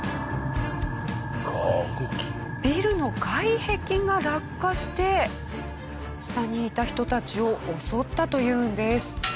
ビルの外壁が落下して下にいた人たちを襲ったというんです。